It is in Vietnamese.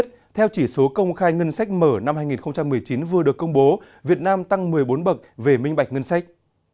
theo chỉ số công khai ngân sách mở năm hai nghìn một mươi chín vừa được công bố việt nam tăng một mươi bốn bậc về minh bạch ngân sách